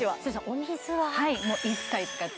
お水は？